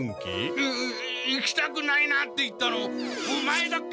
い行きたくないなあって言ったのオマエだっけ？